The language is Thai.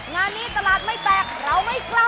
งานนี้ตลาดไม่แตกเราไม่กล้า